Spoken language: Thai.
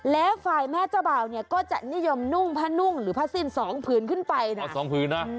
และฝ่ายแม่เจ้าบ่าวเนี่ยก็จะนิยมนุ่งผ้านุ่งหรือผ้าสิ้นสองผืนขึ้นไปนะ